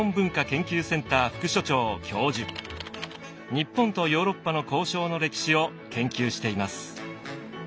日本とヨーロッパの交渉の歴史を研究しています。